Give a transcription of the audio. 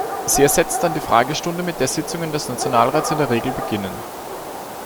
Sie ersetzt dann die Fragestunde, mit der Sitzungen des Nationalrates in der Regel beginnen.